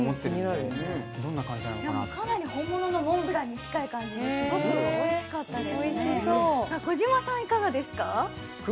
でも、かなり本物のモンブランに近い感じですごくおいしかったです。